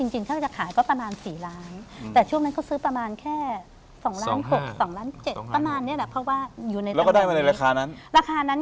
จริงก็จะขายประมาณ๔ล้าง